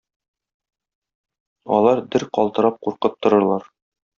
Алар дер калтырап куркып торырлар.